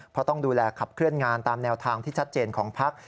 เพราะต้องดูแลขับเคลื่อนงานตามแนวทางที่ชัดเจนของพัก